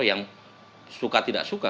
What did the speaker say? yang suka tidak suka